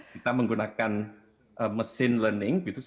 kita menggunakan machine learning